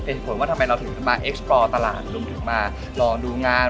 เป็นผลว่าทำไมเราถึงมาเอ็กซ์ปลอร์ตลาดหรือถึงมาลองดูงาน